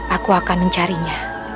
aku akan mencarinya